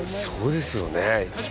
そうですよね。